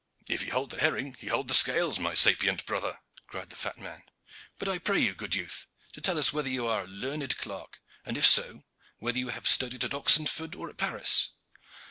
"If he hold the herring he holds the scales, my sapient brother," cried the fat man. "But I pray you, good youth, to tell us whether you are a learned clerk, and, if so, whether you have studied at Oxenford or at Paris."